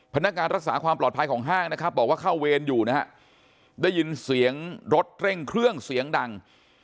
พนักงานรักษาความปลอดภัยของห้างนะครับบอกว่าเข้าเวรอยู่นะฮะได้ยินเสียงรถเร่งเครื่องเสียงดัง